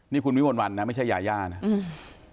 นี่คุณวิมวลวันนะไม่ใช่ยาย่านะอืม